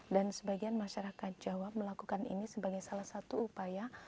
dan sebagian masyarakat jawa melakukan ini sebagai salah satu upaya